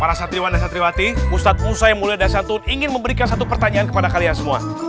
para santriwan dan santriwati ustadz mursa yang mulia dasyatun ingin memberikan satu pertanyaan kepada kalian semua